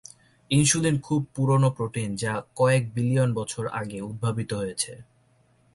Insulin খুব পুরানো protein যা কয়েক বিলিয়ন বছর আগে উদ্ভাবিত হয়েছে।